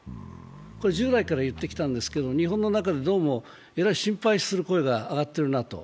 これ従来からいってきたんですけれども日本の中でどうもえらい心配する声が上がってるなと。